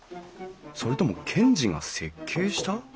それとも賢治が設計した？